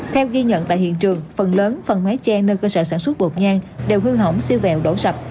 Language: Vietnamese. theo ghi nhận tại hiện trường phần lớn phần mái che nơi cơ sở sản xuất bột nhang đều hư hỏng siêu vẹo đổ sập